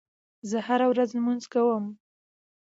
زه هره ورځ لمونځ کوم.